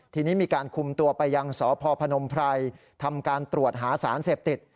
ทีนี้มีการคุมตัวไปยังสพพนมไพรทำการตรวจหาสารเสพติด